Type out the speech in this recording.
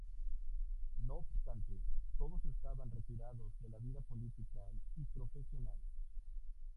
No obstante, todos estaban retirados de la vida política y profesional.